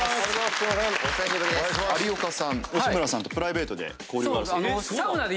有岡さん吉村さんとプライベートで交流があると。